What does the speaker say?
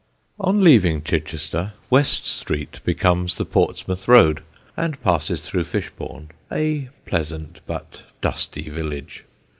On leaving Chichester West Street becomes the Portsmouth Road and passes through Fishbourne, a pleasant but dusty village.